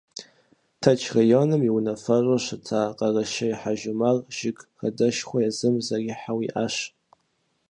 Тэрч районым и унафэщӏу щыта Къэрэщей Хьэжумар жыг хадэшхуэ езым зэрихьэу иӏащ.